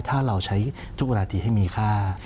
ถ้าเราใช้ทุกเวลาตีให้มีค่า